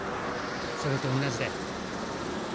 それと同じだよ。